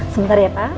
sebentar ya pak